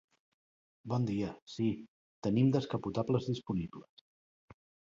Bon dia, sí, tenim descapotables disponibles.